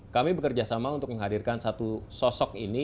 kami bekerja sama untuk menghadirkan satu sosok ini